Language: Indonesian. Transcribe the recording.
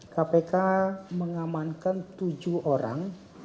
kpk mengamankan tujuh orang